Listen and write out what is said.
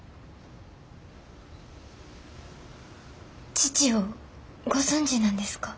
父をご存じなんですか？